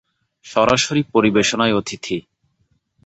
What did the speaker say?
সরাসরি পরিবেশনায় অতিথি